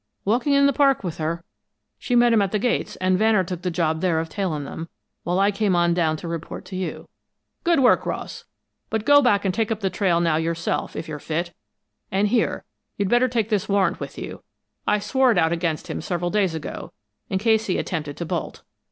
"Walking in the park with her. She met him at the gates, and Vanner took the job there of tailing them, while I came on down to report to you." "Good work, Ross. But go back and take up the trail now yourself, if you're fit. And here, you'd better take this warrant with you; I swore it out against him several days ago, in case he attempted to bolt.